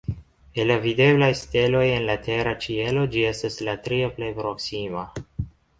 El la videblaj steloj en la tera ĉielo, ĝi estas la tria plej proksima.